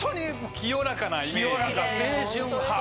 清らか清純派。